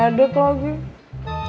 yaudah kakak ambil kunci dulu ya